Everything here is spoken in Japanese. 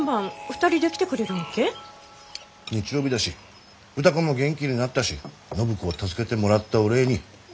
日曜日だし歌子も元気になったし暢子を助けてもらったお礼に。